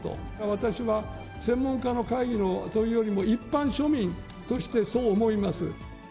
私は、専門家の会議のというよりも、一般庶民としてそう思います。